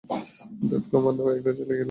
দেবকুমার নামের একটা ছেলেকে পাঠাব।